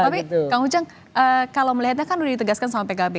tapi kang ujang kalau melihatnya kan sudah ditegaskan sama pkb